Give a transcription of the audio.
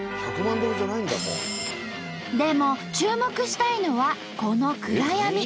でも注目したいのはこの暗闇。